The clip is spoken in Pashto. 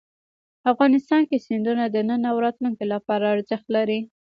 افغانستان کې سیندونه د نن او راتلونکي لپاره ارزښت لري.